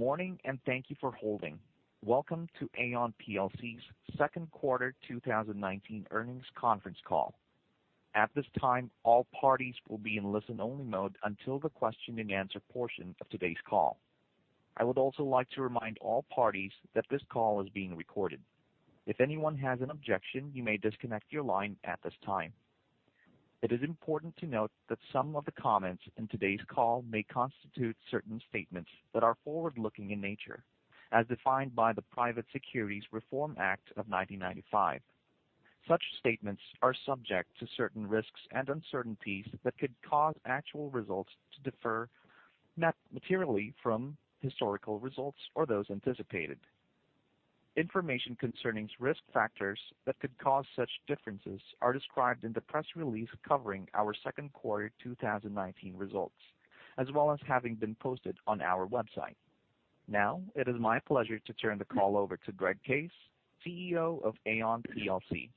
Good morning, and thank you for holding. Welcome to Aon plc's second quarter 2019 earnings conference call. At this time, all parties will be in listen-only mode until the question and answer portion of today's call. I would also like to remind all parties that this call is being recorded. If anyone has an objection, you may disconnect your line at this time. It is important to note that some of the comments in today's call may constitute certain statements that are forward-looking in nature, as defined by the Private Securities Litigation Reform Act of 1995. Such statements are subject to certain risks and uncertainties that could cause actual results to differ materially from historical results or those anticipated. Information concerning risk factors that could cause such differences are described in the press release covering our second quarter 2019 results, as well as having been posted on our website. It is my pleasure to turn the call over to Greg Case, CEO of Aon plc.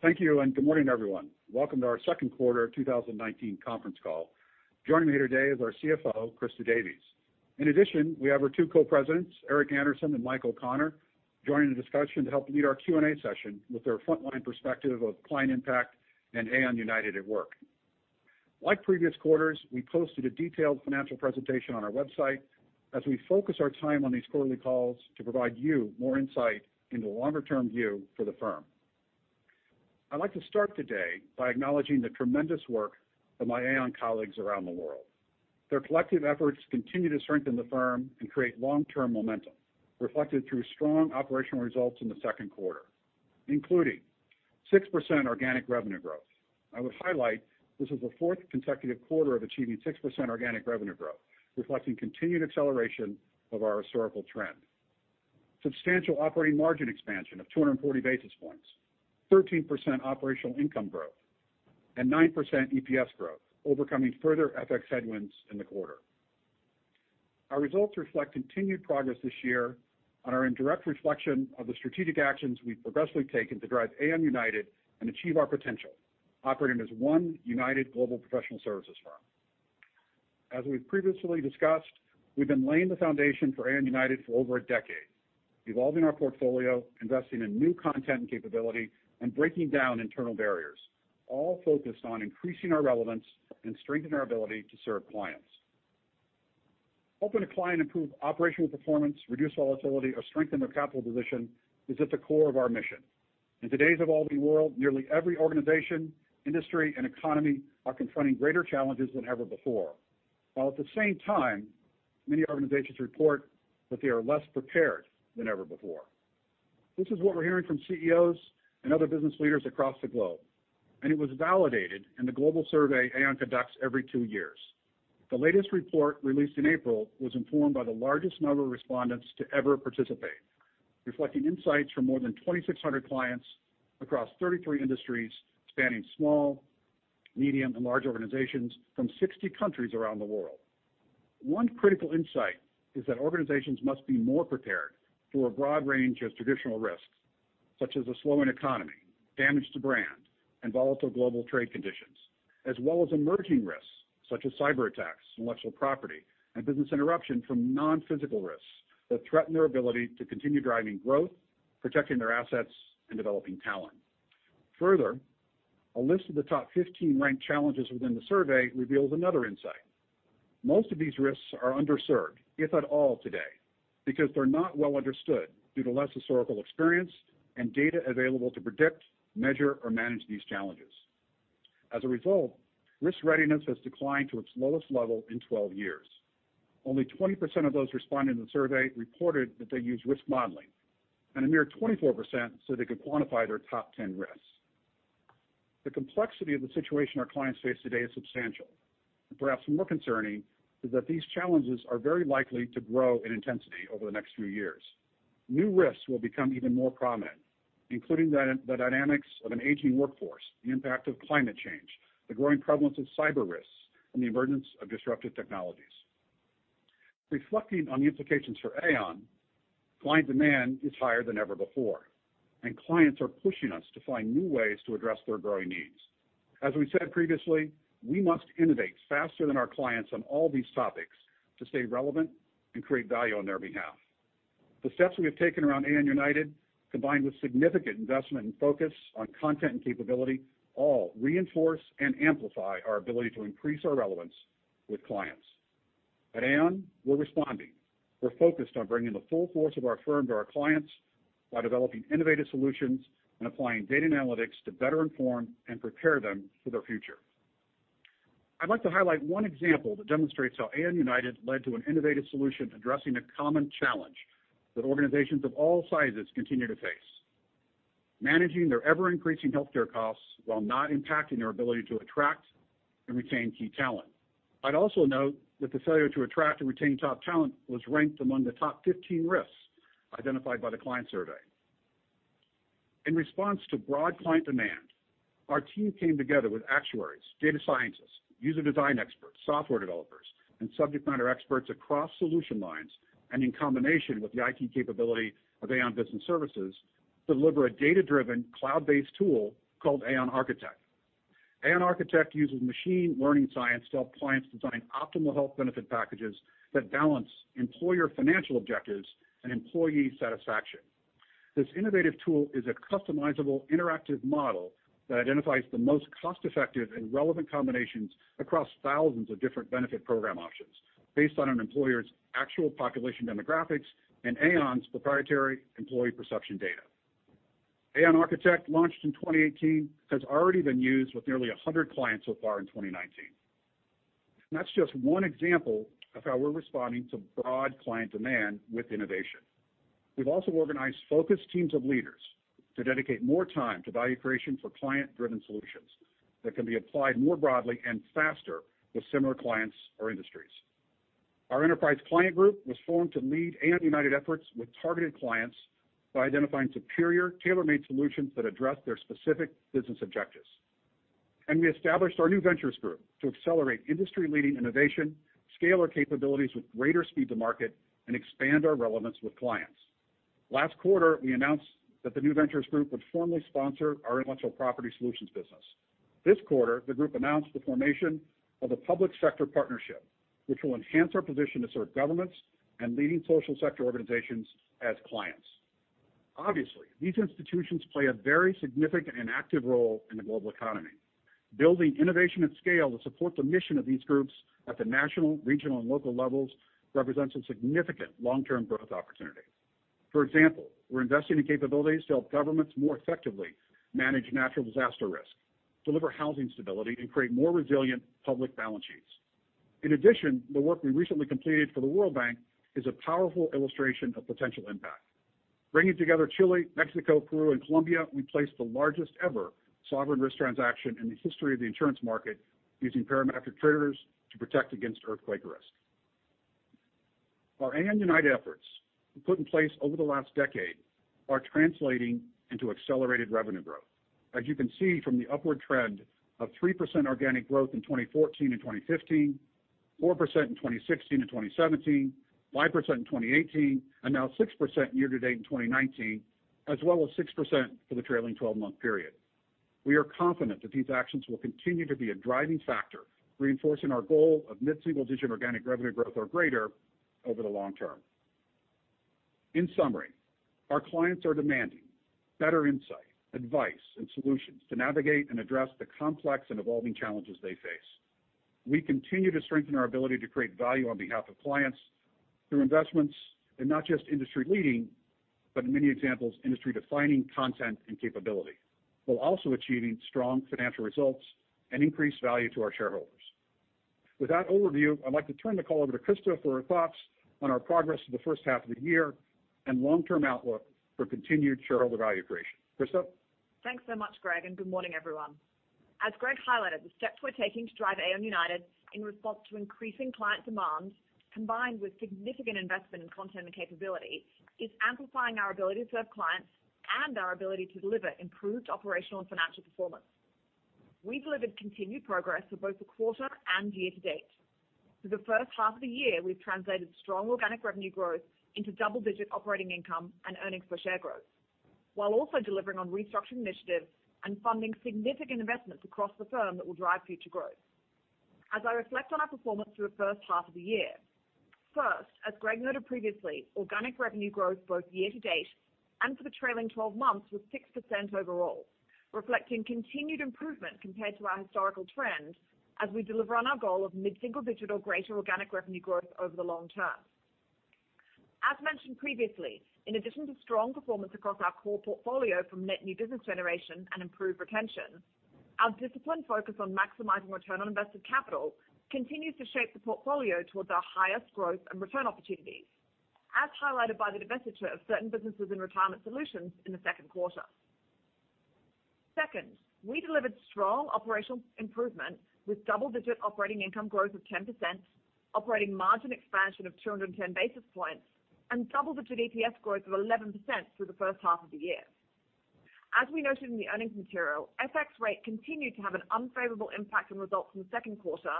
Thank you. Good morning, everyone. Welcome to our second quarter 2019 conference call. Joining me here today is our CFO, Christa Davies. In addition, we have our two Co-Presidents, Eric Andersen and Michael O'Connor, joining the discussion to help lead our Q&A session with their frontline perspective of client impact and Aon United at work. Like previous quarters, we posted a detailed financial presentation on our website as we focus our time on these quarterly calls to provide you more insight into a longer-term view for the firm. I'd like to start today by acknowledging the tremendous work of my Aon colleagues around the world. Their collective efforts continue to strengthen the firm and create long-term momentum, reflected through strong operational results in the second quarter, including 6% organic revenue growth. I would highlight this is the fourth consecutive quarter of achieving 6% organic revenue growth, reflecting continued acceleration of our historical trend. Substantial operating margin expansion of 240 basis points, 13% operational income growth, and 9% EPS growth, overcoming further FX headwinds in the quarter. Our results reflect continued progress this year and are a direct reflection of the strategic actions we've progressively taken to drive Aon United and achieve our potential, operating as one united global professional services firm. As we've previously discussed, we've been laying the foundation for Aon United for over a decade, evolving our portfolio, investing in new content and capability, and breaking down internal barriers, all focused on increasing our relevance and strengthening our ability to serve clients. Helping a client improve operational performance, reduce volatility, or strengthen their capital position is at the core of our mission. In today's evolving world, nearly every organization, industry, and economy are confronting greater challenges than ever before. While at the same time, many organizations report that they are less prepared than ever before. This is what we're hearing from CEOs and other business leaders across the globe, and it was validated in the global survey Aon conducts every two years. The latest report, released in April, was informed by the largest number of respondents to ever participate, reflecting insights from more than 2,600 clients across 33 industries, spanning small, medium, and large organizations from 60 countries around the world. One critical insight is that organizations must be more prepared for a broad range of traditional risks, such as a slowing economy, damage to brand, and volatile global trade conditions, as well as emerging risks such as cyberattacks, intellectual property, and business interruption from non-physical risks that threaten their ability to continue driving growth, protecting their assets, and developing talent. Further, a list of the top 15 ranked challenges within the survey reveals another insight. Most of these risks are underserved, if at all today, because they're not well understood due to less historical experience and data available to predict, measure, or manage these challenges. As a result, risk readiness has declined to its lowest level in 12 years. Only 20% of those responding to the survey reported that they use risk modeling, and a mere 24% said they could quantify their top 10 risks. The complexity of the situation our clients face today is substantial. Perhaps more concerning is that these challenges are very likely to grow in intensity over the next few years. New risks will become even more prominent, including the dynamics of an aging workforce, the impact of climate change, the growing prevalence of cyber risks, and the emergence of disruptive technologies. Reflecting on the implications for Aon, client demand is higher than ever before, and clients are pushing us to find new ways to address their growing needs. As we said previously, we must innovate faster than our clients on all these topics to stay relevant and create value on their behalf. The steps we have taken around Aon United, combined with significant investment and focus on content and capability, all reinforce and amplify our ability to increase our relevance with clients. At Aon, we're responding. We're focused on bringing the full force of our firm to our clients while developing innovative solutions and applying data and analytics to better inform and prepare them for their future. I'd like to highlight one example that demonstrates how Aon United led to an innovative solution addressing a common challenge that organizations of all sizes continue to face. Managing their ever-increasing healthcare costs while not impacting their ability to attract and retain key talent. I'd also note that the failure to attract and retain top talent was ranked among the top 15 risks identified by the client survey. In response to broad client demand, our team came together with actuaries, data scientists, user design experts, software developers, and subject matter experts across solution lines, and in combination with the IT capability of Aon Business Services, deliver a data-driven, cloud-based tool called Aon Architect. Aon Architect uses machine learning science to help clients design optimal health benefit packages that balance employer financial objectives and employee satisfaction. This innovative tool is a customizable interactive model that identifies the most cost-effective and relevant combinations across thousands of different benefit program options based on an employer's actual population demographics and Aon's proprietary employee perception data. Aon Architect, launched in 2018, has already been used with nearly 100 clients so far in 2019. That's just one example of how we're responding to broad client demand with innovation. We've also organized focus teams of leaders to dedicate more time to value creation for client-driven solutions that can be applied more broadly and faster with similar clients or industries. Our Enterprise Client Group was formed to lead Aon United efforts with targeted clients by identifying superior tailor-made solutions that address their specific business objectives. We established our New Ventures Group to accelerate industry-leading innovation, scale our capabilities with greater speed to market, and expand our relevance with clients. Last quarter, we announced that the New Ventures Group would formally sponsor our intellectual property solutions business. This quarter, the group announced the formation of a Public Sector Partnership, which will enhance our position to serve governments and leading social sector organizations as clients. Obviously, these institutions play a very significant and active role in the global economy. Building innovation at scale to support the mission of these groups at the national, regional, and local levels represents a significant long-term growth opportunity. For example, we're investing in capabilities to help governments more effectively manage natural disaster risk, deliver housing stability, and create more resilient public balance sheets. In addition, the work we recently completed for the World Bank is a powerful illustration of potential impact. Bringing together Chile, Mexico, Peru, and Colombia, we placed the largest ever sovereign risk transaction in the history of the insurance market using parametric triggers to protect against earthquake risk. Our Aon United efforts we put in place over the last decade are translating into accelerated revenue growth. As you can see from the upward trend of 3% organic growth in 2014 and 2015, 4% in 2016 and 2017, 5% in 2018, and now 6% year to date in 2019, as well as 6% for the trailing 12-month period. We are confident that these actions will continue to be a driving factor, reinforcing our goal of mid-single digit organic revenue growth or greater over the long term. In summary, our clients are demanding better insight, advice, and solutions to navigate and address the complex and evolving challenges they face. We continue to strengthen our ability to create value on behalf of clients through investments in not just industry-leading, but in many examples, industry-defining content and capability, while also achieving strong financial results and increased value to our shareholders. With that overview, I'd like to turn the call over to Christa for her thoughts on our progress for the first half of the year and long-term outlook for continued shareholder value creation. Christa? Thanks so much, Greg, and good morning, everyone. As Greg highlighted, the steps we're taking to drive Aon United in response to increasing client demand, combined with significant investment in content and capability, is amplifying our ability to serve clients and our ability to deliver improved operational and financial performance. We've delivered continued progress for both the quarter and year to date. Through the first half of the year, we've translated strong organic revenue growth into double-digit operating income and earnings per share growth, while also delivering on restructuring initiatives and funding significant investments across the firm that will drive future growth. As I reflect on our performance through the first half of the year, first, as Greg noted previously, organic revenue growth both year to date and for the trailing 12 months was 6% overall, reflecting continued improvement compared to our historical trends as we deliver on our goal of mid-single digit or greater organic revenue growth over the long term. As mentioned previously, in addition to strong performance across our core portfolio from net new business generation and improved retention, our disciplined focus on maximizing return on invested capital continues to shape the portfolio towards our highest growth and return opportunities, as highlighted by the divestiture of certain businesses in Retirement Solutions in the second quarter. Second, we delivered strong operational improvement with double-digit operating income growth of 10%, operating margin expansion of 210 basis points, and double-digit EPS growth of 11% through the first half of the year. As we noted in the earnings material, FX rate continued to have an unfavorable impact on results in the second quarter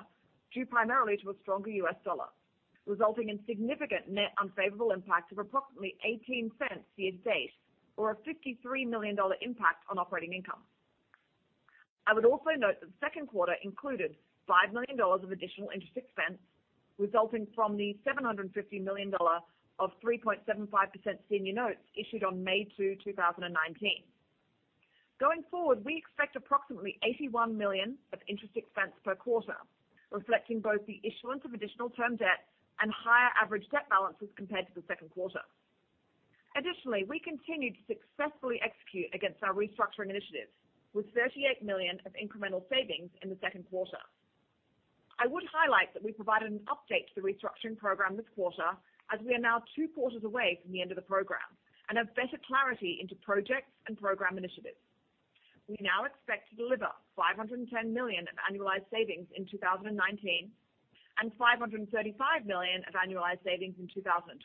due primarily to a stronger U.S. dollar, resulting in significant net unfavorable impact of approximately $0.18 year to date or a $53 million impact on operating income. I would also note that the second quarter included $5 million of additional interest expense resulting from the $750 million of 3.75% senior notes issued on May 2nd, 2019. Going forward, we expect approximately $81 million of interest expense per quarter, reflecting both the issuance of additional term debt and higher average debt balances compared to the second quarter. Additionally, we continued to successfully execute against our restructuring initiatives with $38 million of incremental savings in the second quarter. I would highlight that we provided an update to the restructuring program this quarter as we are now two quarters away from the end of the program and have better clarity into projects and program initiatives. We now expect to deliver $510 million of annualized savings in 2019 and $535 million of annualized savings in 2020,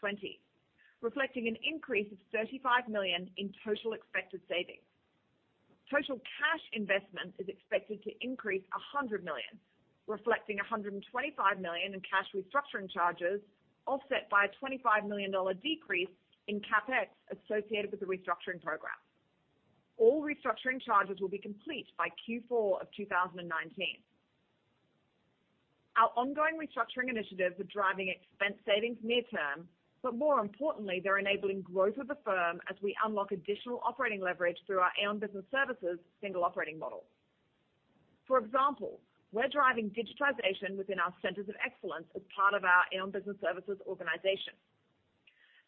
reflecting an increase of $35 million in total expected savings. Total cash investment is expected to increase $100 million. Reflecting $125 million in cash restructuring charges, offset by a $25 million decrease in CapEx associated with the restructuring program. All restructuring charges will be complete by Q4 of 2019. Our ongoing restructuring initiatives are driving expense savings near term, but more importantly, they're enabling growth of the firm as we unlock additional operating leverage through our Aon Business Services single operating model. For example, we're driving digitization within our centers of excellence as part of our Aon Business Services organization.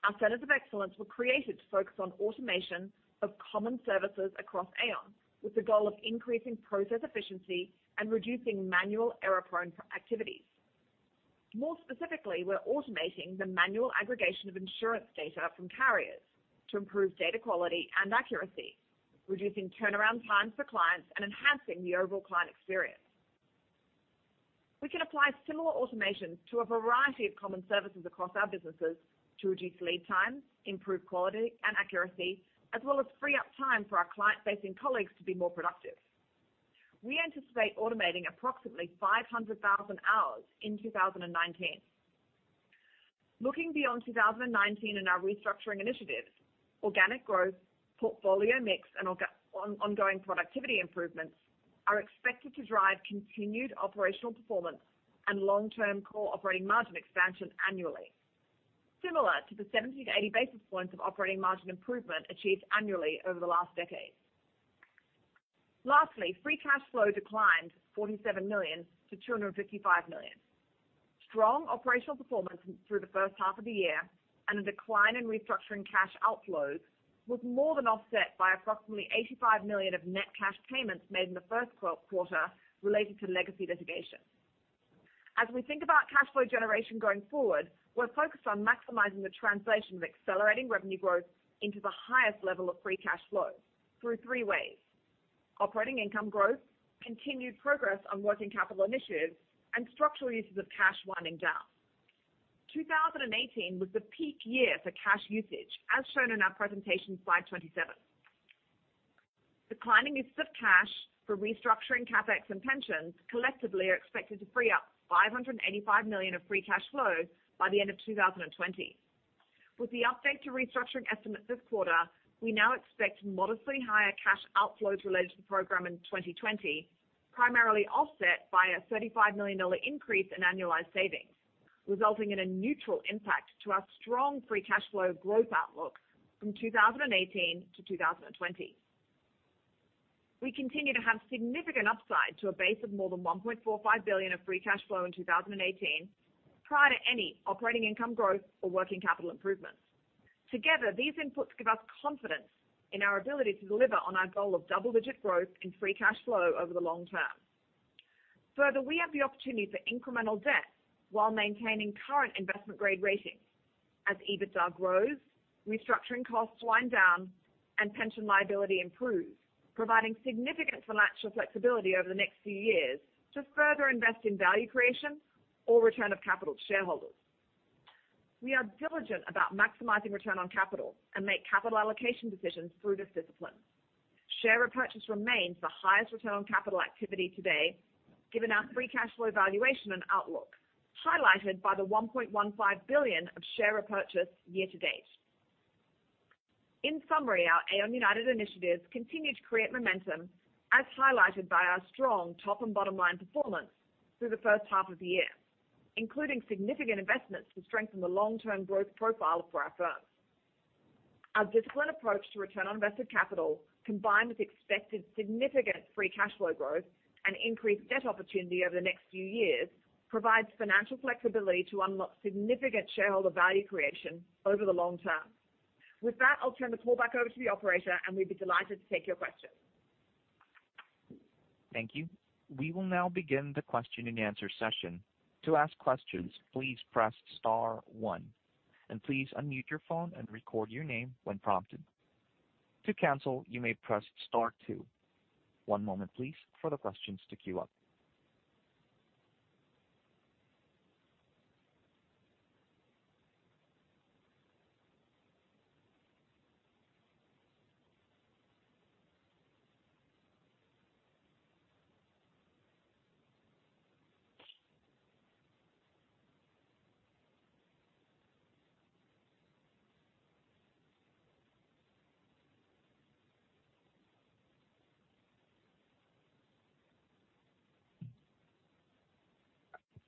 Our centers of excellence were created to focus on automation of common services across Aon, with the goal of increasing process efficiency and reducing manual error-prone activities. More specifically, we're automating the manual aggregation of insurance data from carriers to improve data quality and accuracy, reducing turnaround times for clients, and enhancing the overall client experience. We can apply similar automations to a variety of common services across our businesses to reduce lead times, improve quality and accuracy, as well as free up time for our client facing colleagues to be more productive. We anticipate automating approximately 500,000 hours in 2019. Looking beyond 2019 and our restructuring initiatives, organic growth, portfolio mix, and ongoing productivity improvements are expected to drive continued operational performance and long-term core operating margin expansion annually. Similar to the 70 to 80 basis points of operating margin improvement achieved annually over the last decade. Free cash flow declined $47 million to $255 million. Strong operational performance through the first half of the year and a decline in restructuring cash outflows was more than offset by approximately $85 million of net cash payments made in the first quarter related to legacy litigation. As we think about cash flow generation going forward, we're focused on maximizing the translation of accelerating revenue growth into the highest level of free cash flow through three ways. Operating income growth, continued progress on working capital initiatives, and structural uses of cash winding down. 2018 was the peak year for cash usage, as shown in our presentation, slide 27. Declining uses of cash for restructuring CapEx and pensions collectively are expected to free up $585 million of free cash flow by the end of 2020. With the update to restructuring estimates this quarter, we now expect modestly higher cash outflows related to the program in 2020, primarily offset by a $35 million increase in annualized savings, resulting in a neutral impact to our strong free cash flow growth outlook from 2018 to 2020. We continue to have significant upside to a base of more than $1.45 billion of free cash flow in 2018 prior to any operating income growth or working capital improvements. Together, these inputs give us confidence in our ability to deliver on our goal of double-digit growth in free cash flow over the long term. We have the opportunity for incremental debt while maintaining current investment-grade ratings as EBITDA grows, restructuring costs wind down, and pension liability improves, providing significant financial flexibility over the next few years to further invest in value creation or return of capital to shareholders. We are diligent about maximizing return on capital and make capital allocation decisions through this discipline. Share repurchase remains the highest return on capital activity today, given our free cash flow evaluation and outlook, highlighted by the $1.15 billion of share repurchase year to date. Our Aon United initiatives continue to create momentum, as highlighted by our strong top and bottom line performance through the first half of the year, including significant investments to strengthen the long-term growth profile for our firm. Our disciplined approach to return on invested capital, combined with expected significant free cash flow growth and increased debt opportunity over the next few years, provides financial flexibility to unlock significant shareholder value creation over the long term. With that, I'll turn the call back over to the operator, and we'd be delighted to take your questions. Thank you. We will now begin the question and answer session. To ask questions, please press star one, and please unmute your phone and record your name when prompted. To cancel, you may press star two. One moment please for the questions to queue up.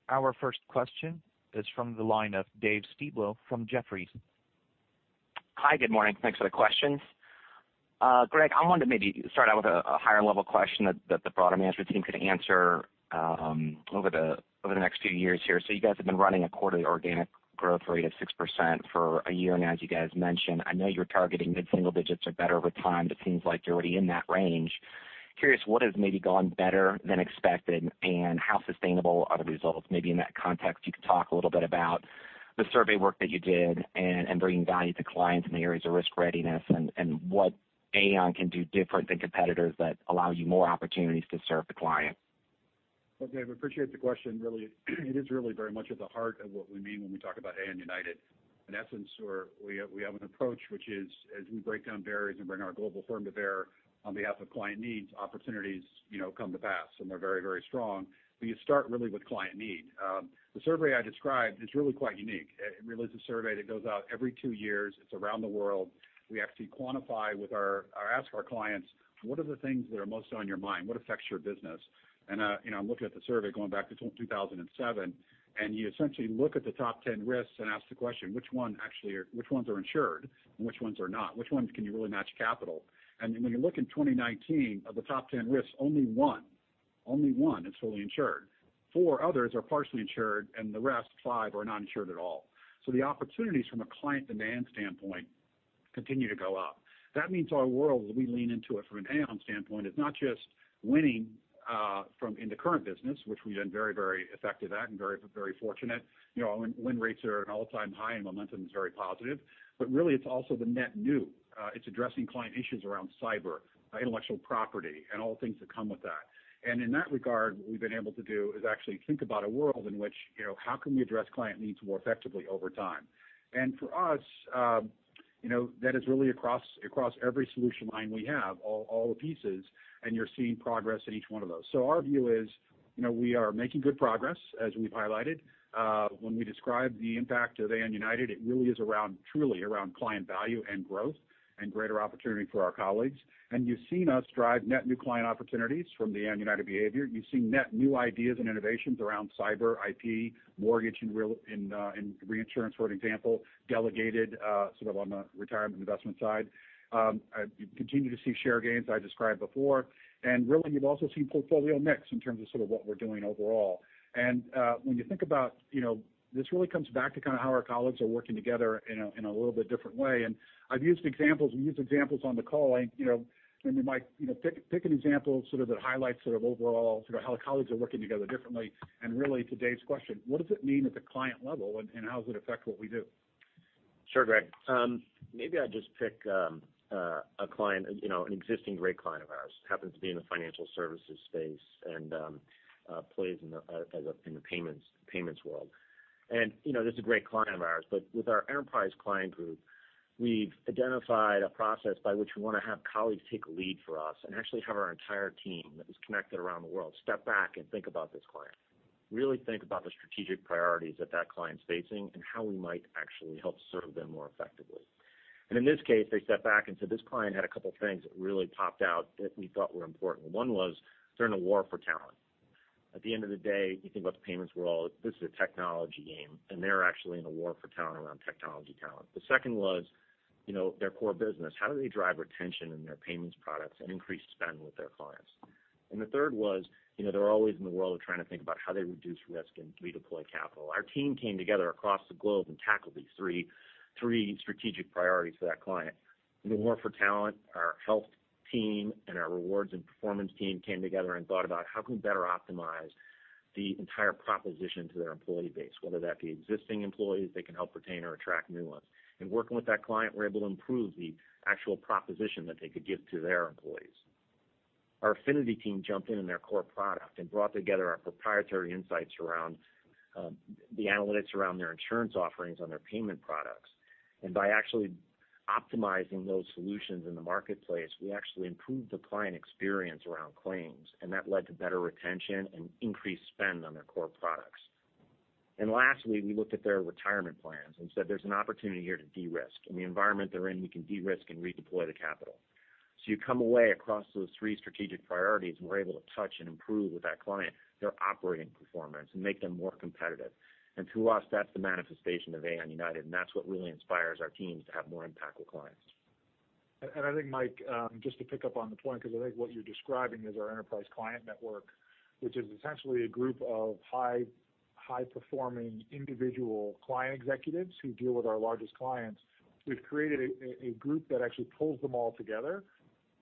Our first question is from the line of David Styblo from Jefferies. Hi, good morning. Thanks for the questions. Greg, I wanted to maybe start out with a higher level question that the broader management team could answer over the next few years here. You guys have been running a quarterly organic growth rate of 6% for a year now, as you guys mentioned. I know you're targeting mid-single digits or better over time, but it seems like you're already in that range. Curious what has maybe gone better than expected, and how sustainable are the results? Maybe in that context, you could talk a little bit about the survey work that you did and bringing value to clients in the areas of risk readiness and what Aon can do different than competitors that allows you more opportunities to serve the client. Well, Dave, appreciate the question. It is really very much at the heart of what we mean when we talk about Aon United. In essence, we have an approach which is as we break down barriers and bring our global firm to bear on behalf of client needs, opportunities come to pass, and they're very strong. You start really with client need. The survey I described is really quite unique. It really is a survey that goes out every two years. It's around the world. We actually ask our clients, "What are the things that are most on your mind? What affects your business?" I'm looking at the survey going back to 2007, and you essentially look at the top 10 risks and ask the question, which ones are insured and which ones are not? Which ones can you really match capital? Then when you look in 2019 of the top 10 risks, only one is fully insured. Four others are partially insured, and the rest, five, are not insured at all. The opportunities from a client demand standpoint continue to go up. That means our world, as we lean into it from an Aon standpoint, is not just winning in the current business, which we've been very effective at and very fortunate. Our win rates are at an all-time high, and momentum is very positive. Really, it's also the net new. It's addressing client issues around cyber, intellectual property, and all the things that come with that. In that regard, what we've been able to do is actually think about a world in which how can we address client needs more effectively over time? For us, that is really across every solution line we have, all the pieces, and you're seeing progress in each one of those. Our view is we are making good progress, as we've highlighted. When we describe the impact of Aon United, it really is truly around client value and growth and greater opportunity for our colleagues. You've seen us drive net new client opportunities from the Aon United behavior. You've seen net new ideas and innovations around cyber, IP, mortgage, and reinsurance, for example, delegated sort of on the retirement investment side. You continue to see share gains I described before, really, you've also seen portfolio mix in terms of sort of what we're doing overall. When you think about this really comes back to kind of how our colleagues are working together in a little bit different way. I've used examples, we use examples on the call. Mike, take an example sort of that highlights sort of overall sort of how colleagues are working together differently and really today's question, what does it mean at the client level, and how does it affect what we do? Sure, Greg. Maybe I'll just pick an existing great client of ours. Happens to be in the financial services space and plays in the payments world. This is a great client of ours. With our Enterprise Client Group, we've identified a process by which we want to have colleagues take a lead for us and actually have our entire team that is connected around the world step back and think about this client. Really think about the strategic priorities that that client's facing and how we might actually help serve them more effectively. In this case, they stepped back and said this client had a couple things that really popped out that we thought were important. One was they're in a war for talent. At the end of the day, you think about the payments world, this is a technology game, and they're actually in a war for talent around technology talent. The second was their core business. How do they drive retention in their payments products and increase spend with their clients? The third was they're always in the world of trying to think about how they reduce risk and redeploy capital. Our team came together across the globe and tackled these three strategic priorities for that client. In the war for talent, our health team and our rewards and performance team came together and thought about how can we better optimize the entire proposition to their employee base, whether that be existing employees they can help retain or attract new ones. In working with that client, we were able to improve the actual proposition that they could give to their employees. Our affinity team jumped in on their core product and brought together our proprietary insights around the analytics around their insurance offerings on their payment products. By actually optimizing those solutions in the marketplace, we actually improved the client experience around claims, and that led to better retention and increased spend on their core products. Lastly, we looked at their Retirement Solutions plans and said there's an opportunity here to de-risk. In the environment they're in, we can de-risk and redeploy the capital. You come away across those three strategic priorities, and we're able to touch and improve with that client their operating performance and make them more competitive. To us, that's the manifestation of Aon United, and that's what really inspires our teams to have more impact with clients. I think, Mike, just to pick up on the point because I think what you're describing is our Enterprise Client Group network, which is essentially a group of high-performing individual client executives who deal with our largest clients. We've created a group that actually pulls them all together.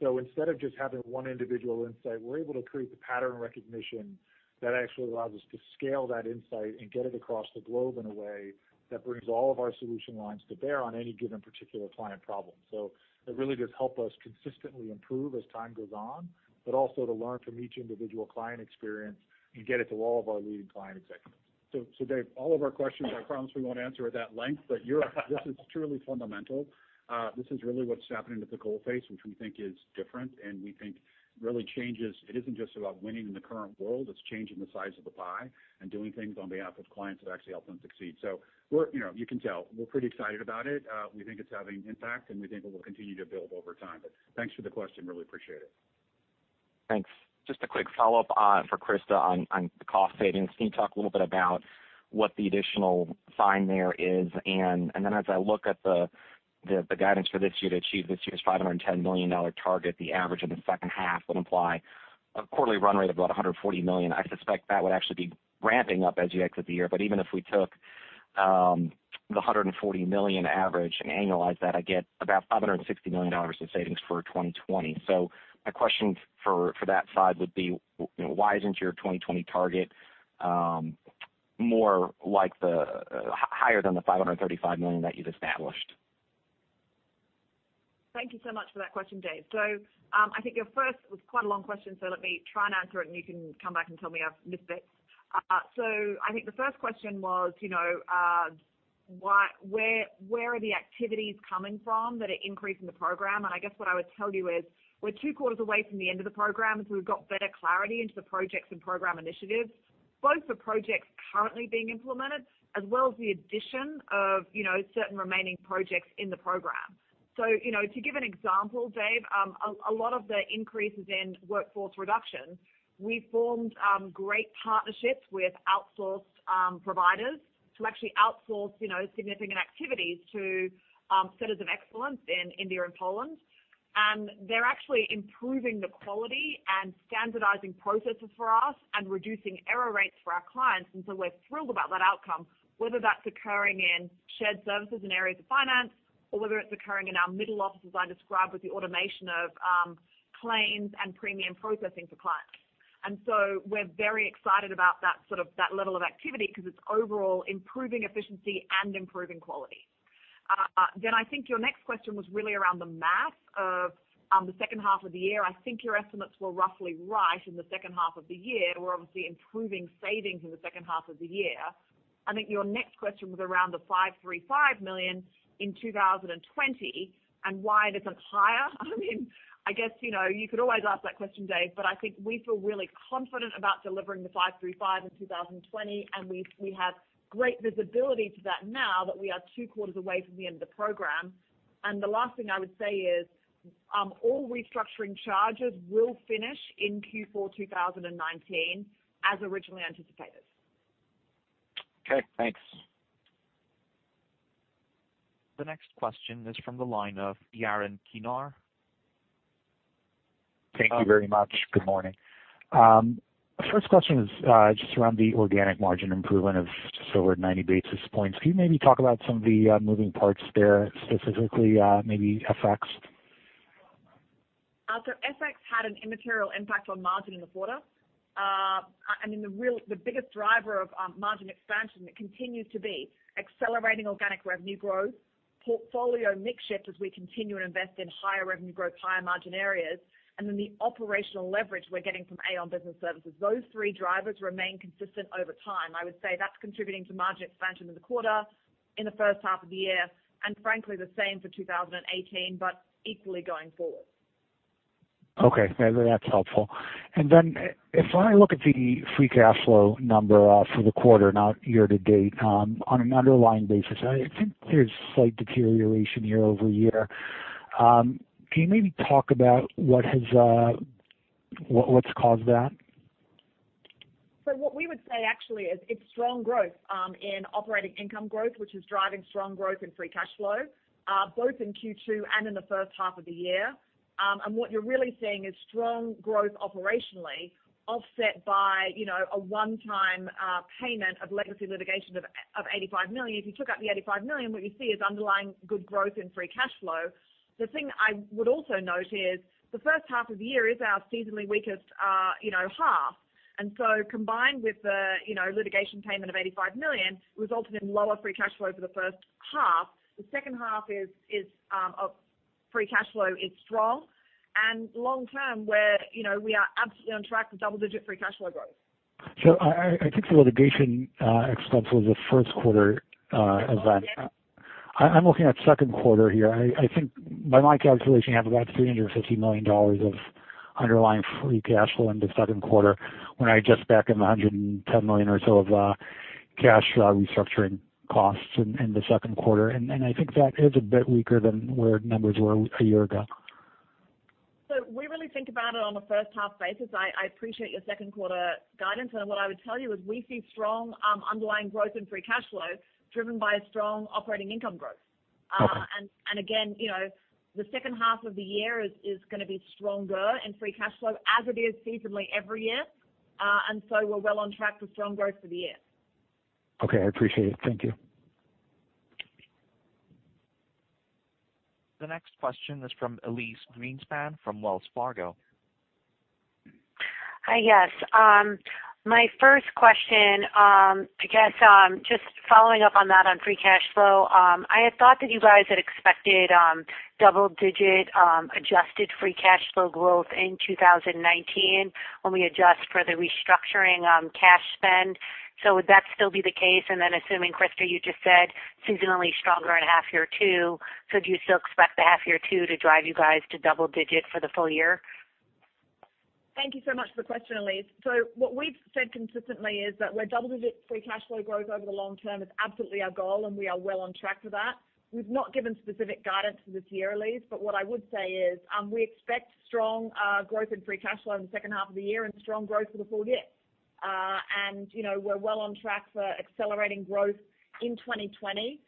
Instead of just having one individual insight, we're able to create the pattern recognition that actually allows us to scale that insight and get it across the globe in a way that brings all of our solution lines to bear on any given particular client problem. It really does help us consistently improve as time goes on, but also to learn from each individual client experience and get it to all of our leading client executives. Dave, all of our questions, I promise we won't answer at that length. This is truly fundamental. This is really what's happening at the coal face, which we think is different and we think really changes. It isn't just about winning in the current world, it's changing the size of the pie and doing things on behalf of clients that actually help them succeed. You can tell we're pretty excited about it. We think it's having impact, and we think it will continue to build over time. Thanks for the question, really appreciate it. Thanks. Just a quick follow-up for Christa on the cost savings. Can you talk a little bit about what the additional find there is? As I look at the guidance for this year to achieve this year's $510 million target, the average in the second half would imply a quarterly run rate of about $140 million. I suspect that would actually be ramping up as you exit the year. Even if we took the $140 million average and annualized that, I get about $560 million in savings for 2020. My question for that side would be why isn't your 2020 target higher than the $535 million that you've established? Thank you so much for that question, Dave. I think your first was quite a long question, let me try and answer it and you can come back and tell me I've missed bits. I think the first question was, where are the activities coming from that are increasing the program? I guess what I would tell you is we're two quarters away from the end of the program, we've got better clarity into the projects and program initiatives, both for projects currently being implemented, as well as the addition of certain remaining projects in the program. To give an example, Dave, a lot of the increases in workforce reduction, we formed great partnerships with outsourced providers to actually outsource significant activities to centers of excellence in India and Poland. They're actually improving the quality and standardizing processes for us and reducing error rates for our clients. We're thrilled about that outcome, whether that's occurring in shared services and areas of finance or whether it's occurring in our middle office, as I described, with the automation of claims and premium processing for clients. We're very excited about that level of activity because it's overall improving efficiency and improving quality. I think your next question was really around the math of the second half of the year. I think your estimates were roughly right in the second half of the year. We're obviously improving savings in the second half of the year. I think your next question was around the $535 million in 2020 and why it isn't higher. I guess you could always ask that question, Dave, but I think we feel really confident about delivering the 535 in 2020, and we have great visibility to that now that we are two quarters away from the end of the program. The last thing I would say is all restructuring charges will finish in Q4 2019 as originally anticipated. Okay, thanks. The next question is from the line of Yaron Kinar. Thank you very much. Good morning. First question is just around the organic margin improvement of just over 90 basis points. Can you maybe talk about some of the moving parts there, specifically maybe FX? FX had an immaterial impact on margin in the quarter. I mean, the biggest driver of margin expansion continues to be accelerating organic revenue growth, portfolio mix shift as we continue to invest in higher revenue growth, higher margin areas, and then the operational leverage we're getting from Aon Business Services. Those three drivers remain consistent over time. I would say that's contributing to margin expansion in the quarter, in the first half of the year, and frankly, the same for 2018, equally going forward. Okay. That's helpful. If I look at the free cash flow number for the quarter, not year-to-date, on an underlying basis, I think there's slight deterioration year-over-year. Can you maybe talk about what's caused that? What we would say actually is it's strong growth in operating income growth, which is driving strong growth in free cash flow, both in Q2 and in the first half of the year. What you're really seeing is strong growth operationally offset by a one-time payment of legacy litigation of $85 million. If you took out the $85 million, what you'd see is underlying good growth in free cash flow. The thing I would also note is the first half of the year is our seasonally weakest half. Combined with the litigation payment of $85 million resulted in lower free cash flow for the first half. The second half free cash flow is strong and long term, we are absolutely on track for double-digit free cash flow growth. I think the litigation expense was a first quarter event. Oh, yeah. I'm looking at second quarter here. I think by my calculation, I have about $350 million of underlying free cash flow in the second quarter when I just back in the $110 million or so of cash restructuring costs in the second quarter. I think that is a bit weaker than where numbers were a year ago. We really think about it on a first half basis. I appreciate your second quarter guidance. What I would tell you is we see strong underlying growth in free cash flow driven by a strong operating income growth. Okay. Again, the second half of the year is going to be stronger in free cash flow as it is seasonally every year. We're well on track for strong growth for the year. Okay, I appreciate it. Thank you. The next question is from Elyse Greenspan from Wells Fargo. Hi, yes. My first question, I guess just following up on that on free cash flow. I had thought that you guys had expected double-digit adjusted free cash flow growth in 2019 when we adjust for the restructuring cash spend. Would that still be the case? Assuming Christa you just said seasonally stronger in half year 2, could you still expect the half year 2 to drive you guys to double-digit for the full year? Thank you so much for the question, Elyse. What we've said consistently is that double-digit free cash flow growth over the long term is absolutely our goal, and we are well on track for that. We've not given specific guidance for this year, Elyse, but what I would say is we expect strong growth in free cash flow in the second half of the year and strong growth for the full year. We're well on track for accelerating growth in 2020,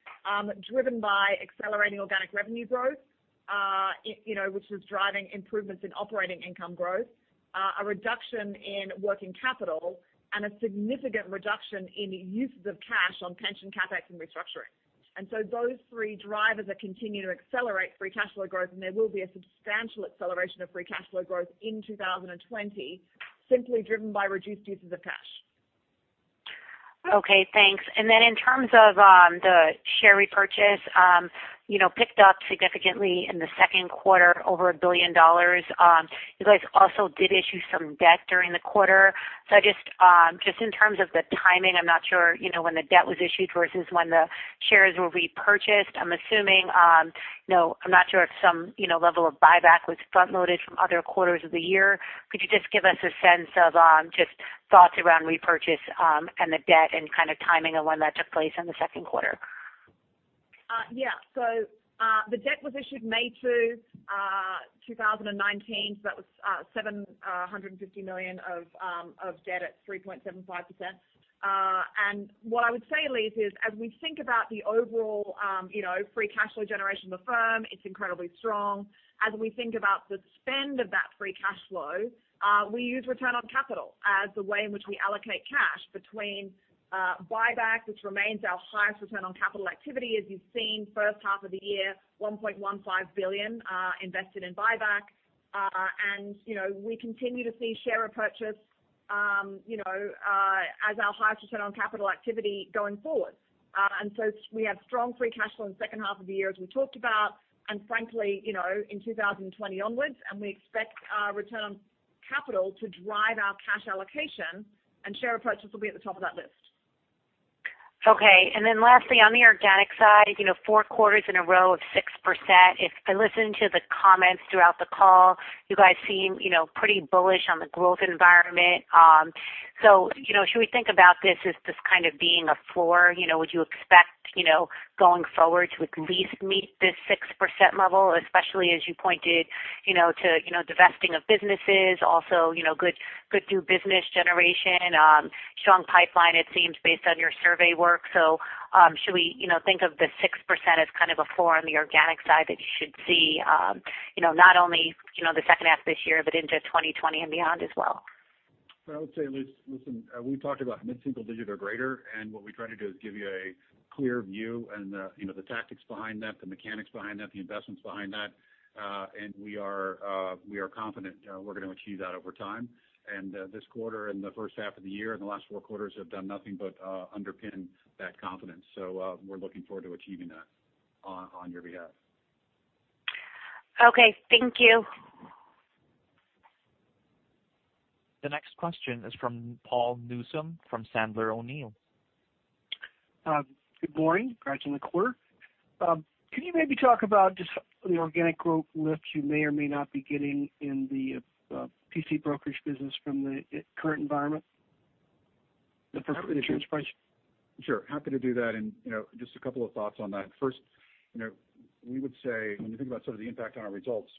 driven by accelerating organic revenue growth which is driving improvements in operating income growth, a reduction in working capital, and a significant reduction in uses of cash on pension, CapEx, and restructuring. Those three drivers are continuing to accelerate free cash flow growth, and there will be a substantial acceleration of free cash flow growth in 2020 simply driven by reduced uses of cash. Okay, thanks. In terms of the share repurchase, picked up significantly in the second quarter, over $1 billion. You guys also did issue some debt during the quarter. Just in terms of the timing, I am not sure when the debt was issued versus when the shares were repurchased. I am not sure if some level of buyback was front-loaded from other quarters of the year. Could you just give us a sense of just thoughts around repurchase and the debt and kind of timing of when that took place in the second quarter? Yeah. The debt was issued May 2, 2019, that was $750 million of debt at 3.75%. What I would say, Elyse, is as we think about the overall free cash flow generation of the firm, it is incredibly strong. As we think about the spend of that free cash flow, we use return on capital as the way in which we allocate cash between buyback, which remains our highest return on capital activity. As you have seen, first half of the year, $1.15 billion invested in buyback. We continue to see share repurchase as our highest return on capital activity going forward. We have strong free cash flow in the second half of the year as we talked about and frankly, in 2020 onwards, we expect our return on capital to drive our cash allocation and share repurchase will be at the top of that list. Okay. Lastly, on the organic side, four quarters in a row of 6%. If I listen to the comments throughout the call, you guys seem pretty bullish on the growth environment. Should we think about this as this kind of being a floor? Would you expect, going forward to at least meet this 6% level, especially as you pointed to divesting of businesses, also good new business generation, strong pipeline it seems based on your survey work. Should we think of the 6% as kind of a floor on the organic side that you should see not only the second half of this year but into 2020 and beyond as well? I would say, Elyse, listen, we talked about mid-single digit or greater, what we try to do is give you a clear view and the tactics behind that, the mechanics behind that, the investments behind that. We are confident we're going to achieve that over time. This quarter and the first half of the year and the last four quarters have done nothing but underpin that confidence. We're looking forward to achieving that on your behalf. Okay. Thank you. The next question is from Paul Newsome from Sandler O'Neill. Good morning. Congrats on the quarter. Can you maybe talk about just the organic growth lift you may or may not be getting in the P&C brokerage business from the current environment? The first bit of insurance pricing. Sure. Just a couple of thoughts on that. First, we would say when you think about sort of the impact on our results,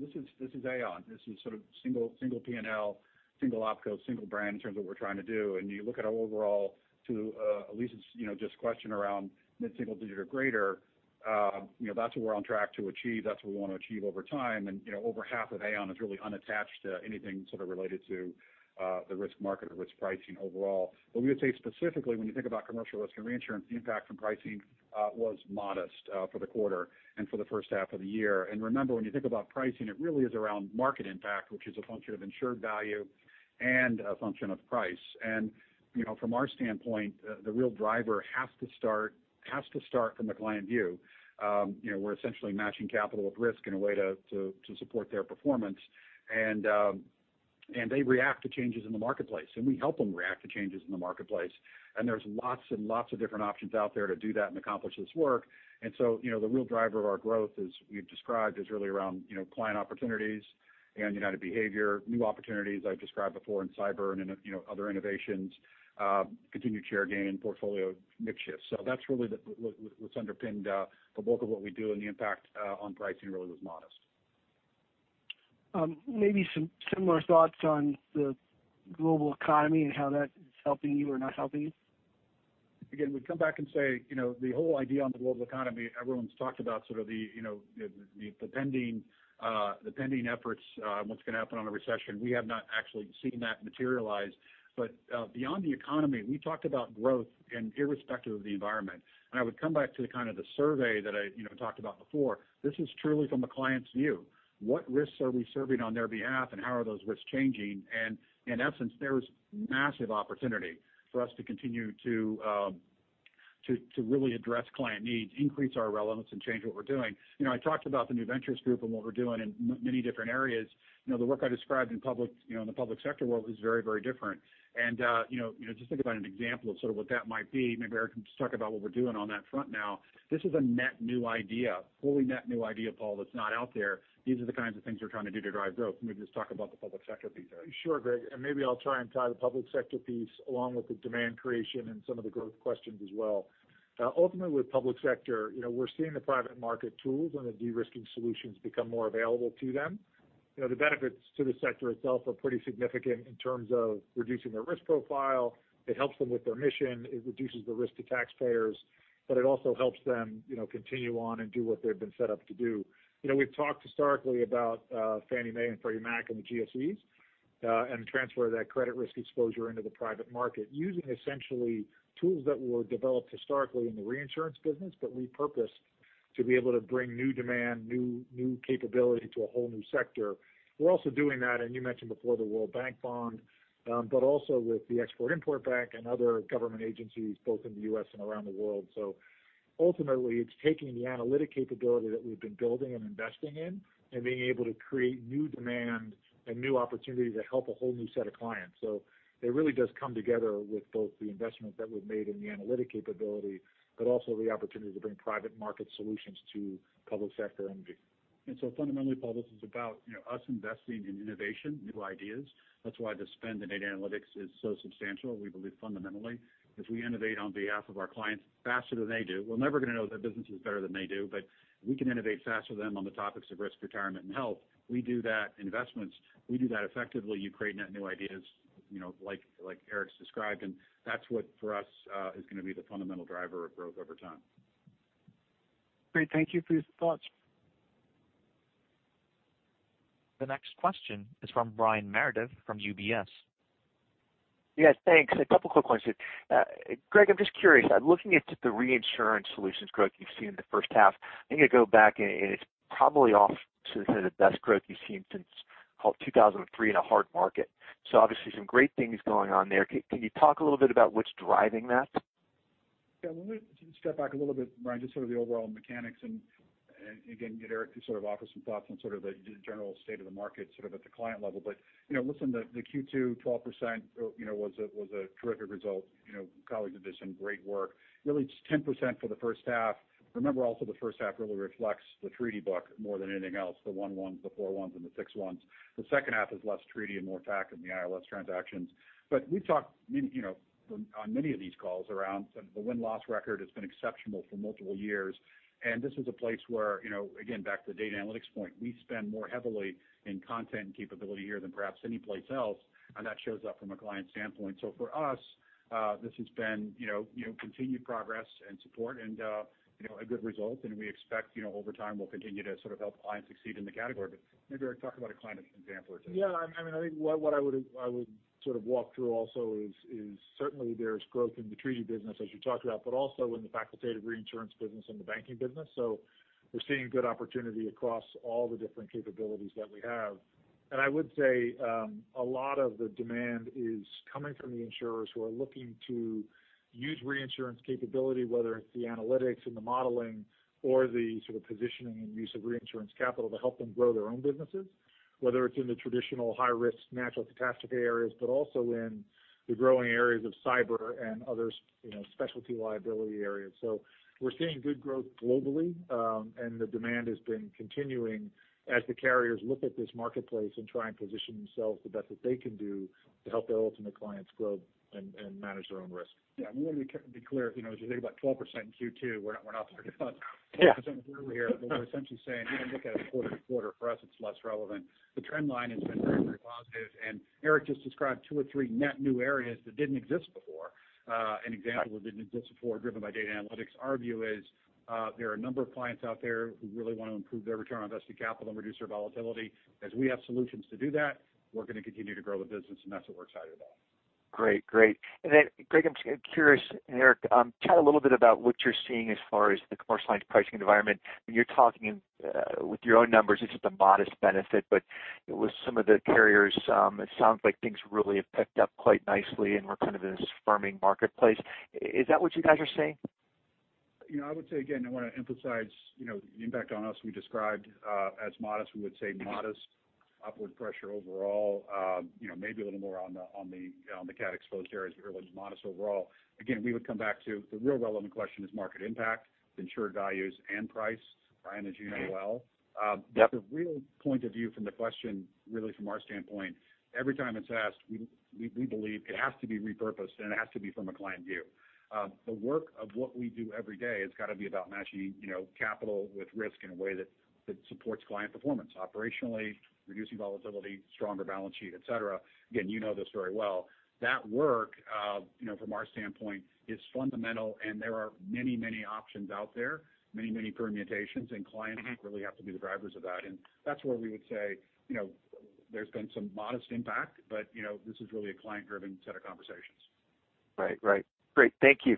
this is Aon. This is sort of single P&L, single opco, single brand in terms of what we're trying to do. You look at our overall to Elyse's just question around mid-single digit or greater, that's what we're on track to achieve. That's what we want to achieve over time. Over half of Aon is really unattached to anything sort of related to the risk market or risk pricing overall. We would say specifically when you think about Commercial Risk and Reinsurance, the impact from pricing was modest for the quarter and for the first half of the year. Remember, when you think about pricing, it really is around market impact, which is a function of insured value and a function of price. From our standpoint, the real driver has to start from the client view. We're essentially matching capital with risk in a way to support their performance. They react to changes in the marketplace, and we help them react to changes in the marketplace. There's lots and lots of different options out there to do that and accomplish this work. The real driver of our growth, as we've described, is really around client opportunities and United behavior, new opportunities I've described before in cyber and other innovations, continued share gain and portfolio mix shifts. That's really what's underpinned the bulk of what we do, and the impact on pricing really was modest. Maybe some similar thoughts on the global economy and how that is helping you or not helping you. Again, we come back and say, the whole idea on the global economy, everyone's talked about sort of the pending efforts, what's going to happen on a recession. We have not actually seen that materialize. Beyond the economy, we talked about growth and irrespective of the environment. I would come back to the kind of the survey that I talked about before. This is truly from the client's view. What risks are we serving on their behalf and how are those risks changing? In essence, there's massive opportunity for us to continue to really address client needs, increase our relevance, and change what we're doing. I talked about the New Ventures Group and what we're doing in many different areas. The work I described in the Public Sector world is very, very different. Just think about an example of sort of what that might be. Maybe Eric can just talk about what we're doing on that front now. This is a net new idea, fully net new idea, Paul, that's not out there. These are the kinds of things we're trying to do to drive growth. Maybe just talk about the public sector piece. Sure, Greg, maybe I'll try and tie the public sector piece along with the demand creation and some of the growth questions as well. Ultimately with public sector, we're seeing the private market tools and the de-risking solutions become more available to them. The benefits to the sector itself are pretty significant in terms of reducing their risk profile. It helps them with their mission. It reduces the risk to taxpayers, it also helps them continue on and do what they've been set up to do. We've talked historically about Fannie Mae and Freddie Mac and the GSEs and the transfer of that credit risk exposure into the private market using essentially tools that were developed historically in the reinsurance business but repurposed To be able to bring new demand, new capability to a whole new sector. We're also doing that, and you mentioned before the World Bank bond, with the Export-Import Bank and other government agencies, both in the U.S. and around the world. Ultimately, it's taking the analytic capability that we've been building and investing in, and being able to create new demand and new opportunities that help a whole new set of clients. It really does come together with both the investments that we've made in the analytic capability, but also the opportunity to bring private market solutions to public sector entities. Fundamentally, Paul, this is about us investing in innovation, new ideas. That's why the spend in data analytics is so substantial. We believe fundamentally, if we innovate on behalf of our clients faster than they do, we're never going to know their businesses better than they do. If we can innovate faster than them on the topics of risk, retirement, and health, we do that in investments. We do that effectively. You create net new ideas like Eric's described, that's what for us is going to be the fundamental driver of growth over time. Great. Thank you for your thoughts. The next question is from Brian Meredith from UBS. Yes, thanks. A couple quick questions. Greg, I'm just curious, looking at the Reinsurance Solutions growth you've seen in the first half, I'm going to go back, and it's probably off to the kind of best growth you've seen since 2003 in a hard market. Obviously some great things going on there. Can you talk a little bit about what's driving that? Yeah. Let me step back a little bit, Brian, just sort of the overall mechanics and again, get Eric to sort of offer some thoughts on sort of the general state of the market sort of at the client level. Listen, the Q2 12% was a terrific result. Colleagues did some great work. Really just 10% for the first half. Remember also the first half really reflects the treaty book more than anything else. The one ones, the four ones, and the six ones. The second half is less treaty and more fac than the ILS transactions. We've talked on many of these calls around the win-loss record has been exceptional for multiple years, and this is a place where, again, back to the data analytics point, we spend more heavily in content and capability here than perhaps anyplace else. That shows up from a client standpoint. For us, this has been continued progress and support and a good result. We expect over time, we'll continue to sort of help clients succeed in the category. Maybe, Eric, talk about a client example or two. I think what I would sort of walk through also is certainly there's growth in the treaty business as you talked about, but also in the facultative reinsurance business and the banking business. We're seeing good opportunity across all the different capabilities that we have. I would say, a lot of the demand is coming from the insurers who are looking to use reinsurance capability, whether it's the analytics and the modeling or the sort of positioning and use of reinsurance capital to help them grow their own businesses, whether it's in the traditional high-risk natural catastrophe areas, but also in the growing areas of cyber and other specialty liability areas. We're seeing good growth globally. The demand has been continuing as the carriers look at this marketplace and try and position themselves the best that they can do to help their ultimate clients grow and manage their own risk. We want to be clear as you think about 12% in Q2, we're not 12% over here. We're essentially saying if you look at it quarter-to-quarter, for us, it's less relevant. The trend line has been very positive. Eric just described two or three net new areas that didn't exist before. An example that didn't exist before driven by data analytics. Our view is there are a number of clients out there who really want to improve their return on invested capital and reduce their volatility. As we have solutions to do that, we're going to continue to grow the business. That's what we're excited about. Great. Greg, I'm curious, Eric, tell a little bit about what you're seeing as far as the commercial line pricing environment. When you're talking with your own numbers, it's just a modest benefit, with some of the carriers, it sounds like things really have picked up quite nicely and we're kind of in this firming marketplace. Is that what you guys are seeing? I would say again, I want to emphasize the impact on us, we described as modest. We would say modest upward pressure overall. Maybe a little more on the cat exposed areas, really just modest overall. Again, we would come back to the real relevant question is market impact, insured values, and price, Brian, as you know well. Yep. The real point of view from the question really from our standpoint, every time it's asked, we believe it has to be repurposed, it has to be from a client view. The work of what we do every day has got to be about matching capital with risk in a way that supports client performance operationally, reducing volatility, stronger balance sheet, et cetera. Again, you know this very well. That work from our standpoint is fundamental, there are many options out there, many permutations, clients really have to be the drivers of that. That's where we would say there's been some modest impact, this is really a client-driven set of conversations. Right. Great. Thank you.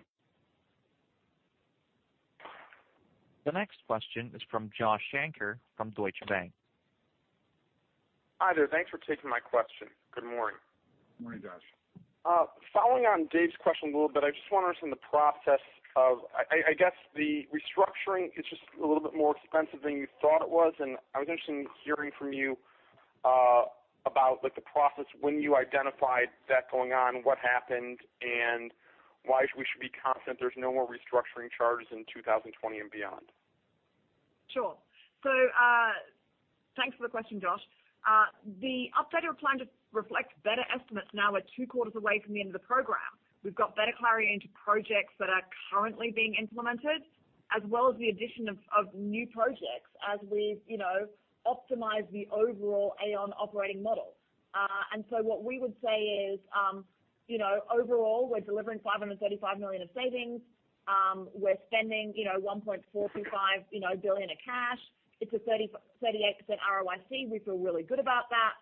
The next question is from Josh Shanker from Deutsche Bank. Hi there. Thanks for taking my question. Good morning. Good morning, Josh. Following on Dave's question a little bit, I just want to understand the process of, I guess the restructuring is just a little bit more expensive than you thought it was, and I was interested in hearing from you about the process when you identified that going on, what happened, and why we should be confident there's no more restructuring charges in 2020 and beyond. Sure. Thanks for the question, Josh. The updated plan reflects better estimates now we're two quarters away from the end of the program. We've got better clarity into projects that are currently being implemented, as well as the addition of new projects as we've optimized the overall Aon operating model. What we would say is overall we're delivering $535 million of savings. We're spending $1.425 billion of cash. It's a 38% ROIC. We feel really good about that.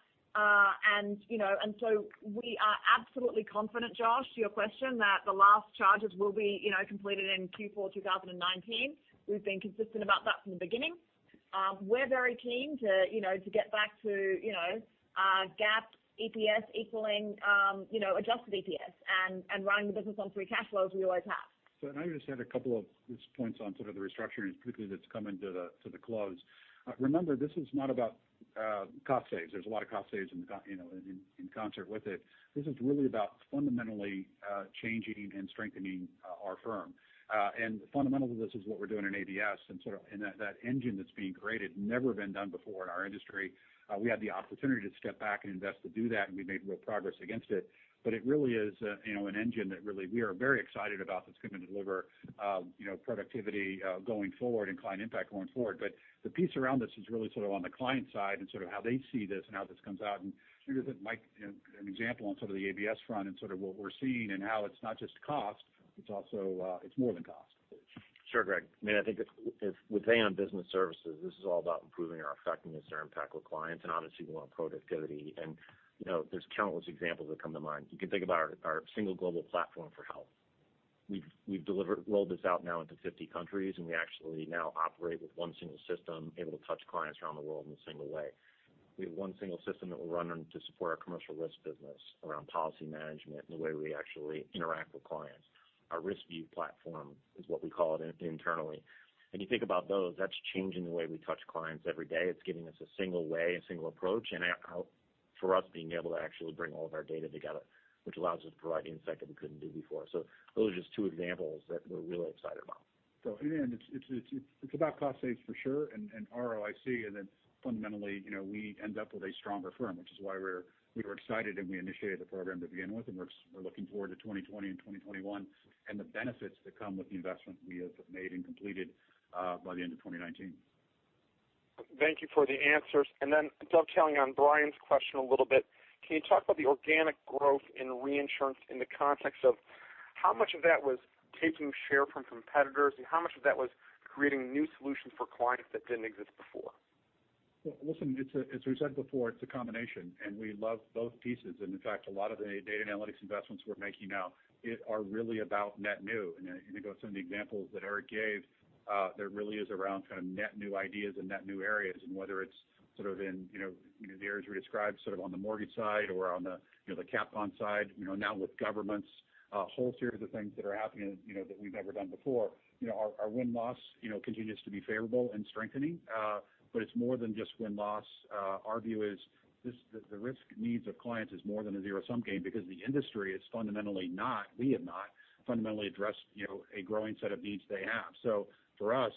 We are absolutely confident, Josh, to your question, that the last charges will be completed in Q4 2019. We've been consistent about that from the beginning. We're very keen to get back to GAAP, EPS equaling adjusted EPS and running the business on free cash flows we always have. I just had a couple of points on sort of the restructuring, particularly that's coming to the close. Remember, this is not about cost saves. There's a lot of cost saves in concert with it. This is really about fundamentally changing and strengthening our firm. Fundamental to this is what we're doing in ABS and that engine that's being created, never been done before in our industry. We had the opportunity to step back and invest to do that, and we made real progress against it. It really is an engine that really we are very excited about that's going to deliver productivity going forward and client impact going forward. The piece around this is really sort of on the client side and sort of how they see this and how this comes out. I'm sure you think Mike, an example on sort of the ABS front and sort of what we're seeing and how it's not just cost, it's more than cost. Sure, Greg. I think with Aon Business Services, this is all about improving our effectiveness, our impact with clients, and honestly, we want productivity. There's countless examples that come to mind. You can think about our single global platform for health. We've rolled this out now into 50 countries, and we actually now operate with one single system, able to touch clients around the world in a single way. We have one single system that will run to support our Commercial Risk business around policy management and the way we actually interact with clients. Our Risk/View platform is what we call it internally. When you think about those, that's changing the way we touch clients every day. It's giving us a single way, a single approach, for us, being able to actually bring all of our data together, which allows us to provide insight that we couldn't do before. Those are just two examples that we're really excited about. In the end, it's about cost saves for sure, ROIC, fundamentally, we end up with a stronger firm, which is why we were excited, we initiated the program to begin with, we're looking forward to 2020 and 2021 and the benefits that come with the investment we have made and completed by the end of 2019. Thank you for the answers. Dovetailing on Brian's question a little bit, can you talk about the organic growth in reinsurance in the context of how much of that was taking share from competitors, and how much of that was creating new solutions for clients that didn't exist before? Well, listen, as we said before, it's a combination, we love both pieces. In fact, a lot of the data and analytics investments we're making now are really about net new. I think of some of the examples that Eric gave, there really is around kind of net new ideas and net new areas, whether it's sort of in the areas we described sort of on the mortgage side or on the cat bond side. With governments, a whole series of things that are happening that we've never done before. Our win-loss continues to be favorable and strengthening, it's more than just win-loss. Our view is the risk needs of clients is more than a zero-sum game because we have not fundamentally addressed a growing set of needs they have. For us,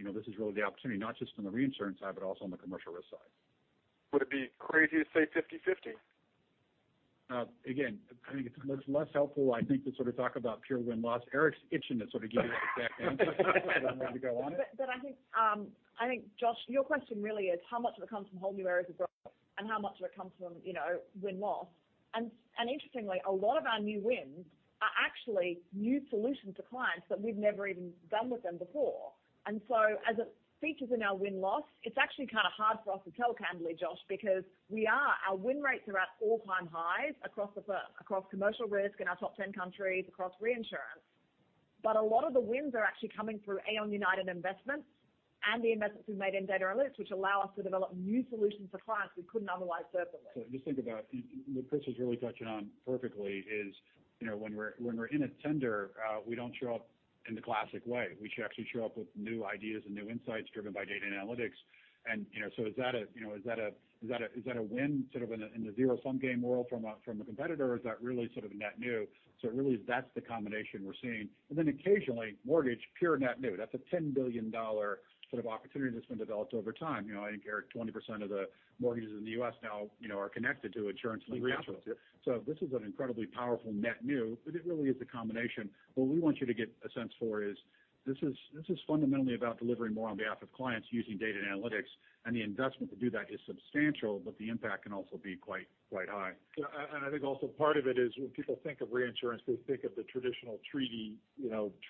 this is really the opportunity, not just on the reinsurance side, but also on the commercial risk side. Would it be crazy to say 50/50? I think it's less helpful, I think, to sort of talk about pure win-loss. Eric's itching to sort of give you the exact answer if you want him to go on it. I think, Josh, your question really is how much of it comes from whole new areas of growth and how much of it comes from win-loss. Interestingly, a lot of our new wins are actually new solutions to clients that we've never even done with them before. As it features in our win-loss, it's actually kind of hard for us to tell, candidly, Josh, because our win rates are at all-time highs across commercial risk in our top 10 countries, across reinsurance. A lot of the wins are actually coming through Aon United investments and the investments we've made in data analytics, which allow us to develop new solutions for clients we couldn't otherwise serve before. Just think about what Christa was really touching on perfectly is when we're in a tender, we don't show up in the classic way. We actually show up with new ideas and new insights driven by data and analytics. Is that a win sort of in the zero-sum game world from a competitor, or is that really sort of net new? Really that's the combination we're seeing. Occasionally, mortgage, pure net new. That's a $10 billion sort of opportunity that's been developed over time. I think Eric, 20% of the mortgages in the U.S. now are connected to insurance and reinsurance. This is an incredibly powerful net new, but it really is a combination. What we want you to get a sense for is this is fundamentally about delivering more on behalf of clients using data and analytics, and the investment to do that is substantial, but the impact can also be quite high. I think also part of it is when people think of reinsurance, they think of the traditional treaty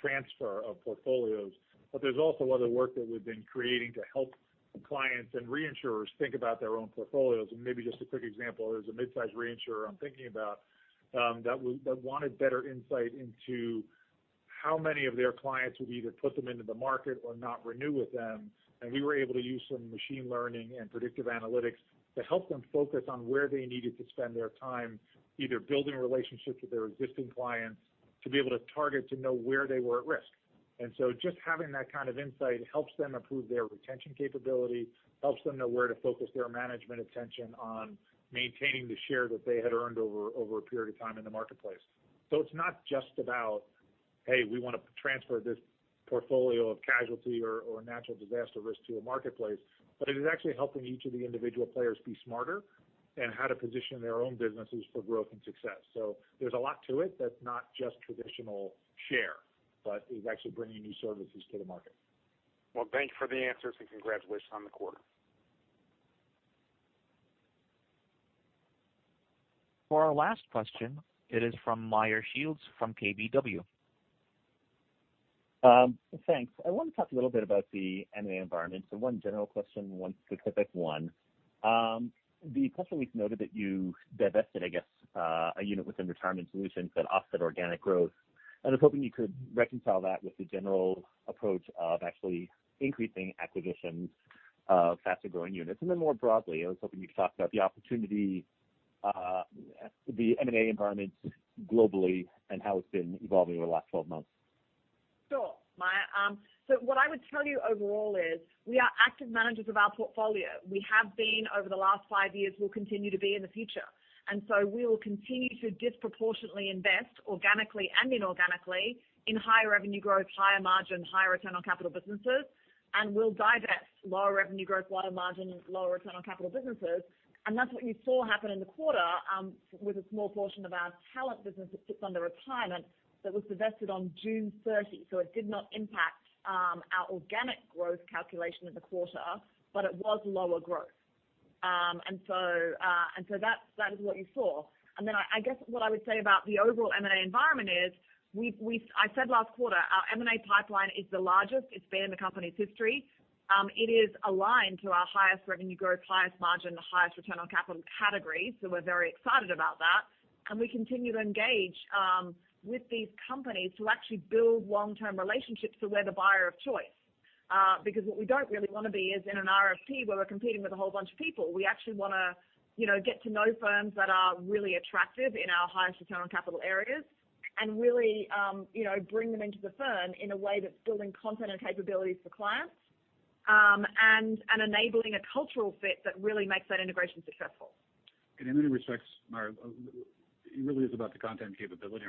transfer of portfolios. There's also other work that we've been creating to help clients and reinsurers think about their own portfolios. Maybe just a quick example, there's a mid-size reinsurer I'm thinking about that wanted better insight into how many of their clients would either put them into the market or not renew with them. We were able to use some machine learning and predictive analytics to help them focus on where they needed to spend their time, either building relationships with their existing clients to be able to target to know where they were at risk. Just having that kind of insight helps them improve their retention capability, helps them know where to focus their management attention on maintaining the share that they had earned over a period of time in the marketplace. It's not just about, hey, we want to transfer this portfolio of casualty or natural disaster risk to a marketplace, but it is actually helping each of the individual players be smarter in how to position their own businesses for growth and success. There's a lot to it that's not just traditional share, but is actually bringing new services to the market. Thank you for the answers, and congratulations on the quarter. For our last question, it is from Meyer Shields from KBW. Thanks. I want to talk a little bit about the M&A environment. One general question, one specific one. The press release noted that you divested, I guess, a unit within Retirement Solutions that offset organic growth. I was hoping you could reconcile that with the general approach of actually increasing acquisitions of faster-growing units. More broadly, I was hoping you'd talk about the opportunity, the M&A environment globally and how it's been evolving over the last 12 months. Sure, Meyer. What I would tell you overall is we are active managers of our portfolio. We have been over the last five years, we'll continue to be in the future. We will continue to disproportionately invest organically and inorganically in higher revenue growth, higher margin, higher return on capital businesses. We'll divest lower revenue growth, lower margin, lower return on capital businesses. That's what you saw happen in the quarter with a small portion of our talent business that sits under Retirement that was divested on June 30th. It did not impact our organic growth calculation in the quarter, but it was lower growth. That is what you saw. I guess what I would say about the overall M&A environment is, I said last quarter, our M&A pipeline is the largest it's been in the company's history. It is aligned to our highest revenue growth, highest margin, highest return on capital categories. We're very excited about that. We continue to engage with these companies to actually build long-term relationships so we're the buyer of choice. What we don't really want to be is in an RFP where we're competing with a whole bunch of people. We actually want to get to know firms that are really attractive in our highest return on capital areas and really bring them into the firm in a way that's building content and capabilities for clients, and enabling a cultural fit that really makes that integration successful. In many respects, Meyer, it really is about the content capability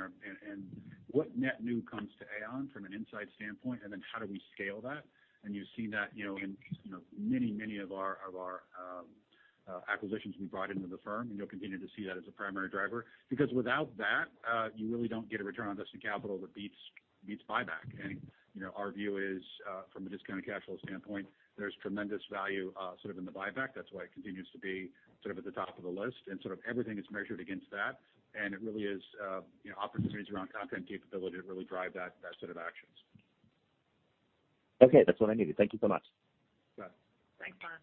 and what net new comes to Aon from an insight standpoint, how do we scale that. You've seen that in many of our acquisitions we brought into the firm, and you'll continue to see that as a primary driver. Without that, you really don't get a return on invested capital that beats buyback. Our view is from a discounted cash flow standpoint, there's tremendous value sort of in the buyback. That's why it continues to be sort of at the top of the list and sort of everything is measured against that. It really is opportunities around content capability that really drive that set of actions. Okay. That's what I needed. Thank you so much. Sure. Thanks, Meyer.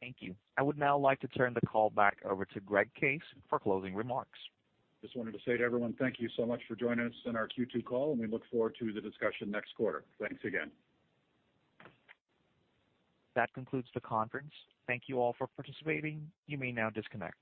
Thank you. I would now like to turn the call back over to Greg Case for closing remarks. Just wanted to say to everyone, thank you so much for joining us on our Q2 call. We look forward to the discussion next quarter. Thanks again. That concludes the conference. Thank you all for participating. You may now disconnect.